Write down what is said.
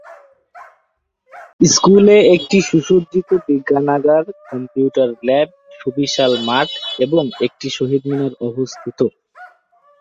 স্কুলে একটি সুসজ্জিত বিজ্ঞানাগার, কম্পিউটার ল্যাব, সুবিশাল মাঠ এবং একটি শহীদ মিনার অবস্থিত।